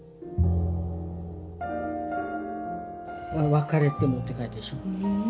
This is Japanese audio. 「別れても」って書いてあるでしょ。